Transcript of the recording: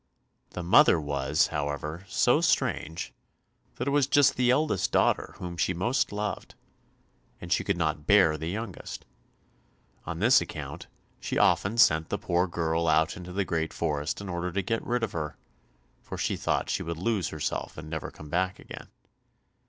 The mother was, however, so strange, that it was just the eldest daughter whom she most loved, and she could not bear the youngest. On this account, she often sent the poor girl out into the great forest in order to get rid of her, for she thought she would lose herself and never come back again.